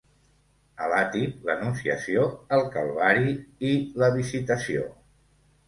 A l'àtic l'Anunciació, el Calvari i la Visitació.